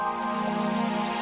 kasar untuk vpn langsung ya